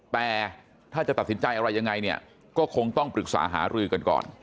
แต่ถ้าจะตัดสินใจอะไรยังไงเนี่ยก็คงต้องปรึกษาหารือกันก่อน